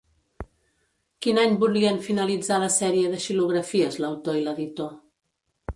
Quin any volien finalitzar la sèrie de xilografies l'autor i l'editor?